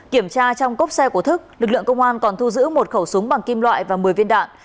kiểm tra trong cốp xe của thức lực lượng công an còn thu giữ một khẩu súng bằng kim loại và một mươi viên đạn